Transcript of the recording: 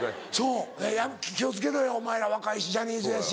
気を付けろよお前ら若いしジャニーズやし。